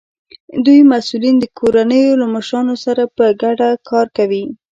د دوی مسؤلین د کورنیو له مشرانو سره په ګډه کار کوي.